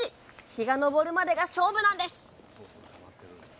日が昇るまでが勝負なんです